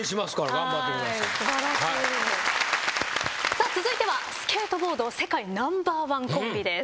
さあ続いてはスケートボード世界ナンバーワンコンビです。